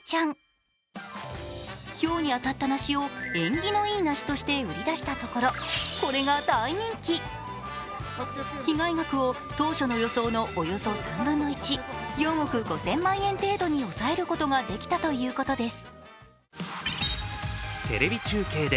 ひょうに当たった梨を縁起のいい梨として売り出したところ、これが大人気被害額を、当初の予想のおよそ３分の１、４億５０００万円程度に抑えることができたということです。